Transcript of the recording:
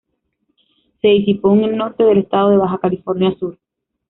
Se disipó en el norte del estado de Baja California Sur.